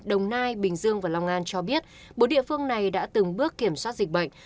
đồng nai bình dương và long an cho biết bốn địa phương này đã từng bước kiểm soát dịch bệnh